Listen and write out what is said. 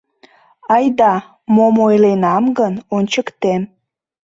Айда, мом ойленам гын, ончыктем.